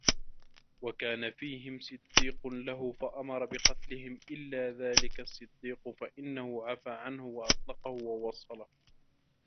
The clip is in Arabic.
وَكَانَ فِيهِمْ صَدِيقٌ لَهُ فَأَمَرَ بِقَتْلِهِمْ إلَّا ذَلِكَ الصَّدِيقُ فَإِنَّهُ عَفَا عَنْهُ وَأَطْلَقَهُ وَوَصَلَهُ